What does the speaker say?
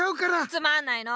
つまんないの！